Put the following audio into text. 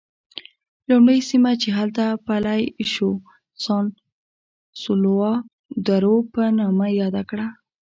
لومړی سیمه چې هلته پلی شو سان سولوا دور په نامه یاد کړه.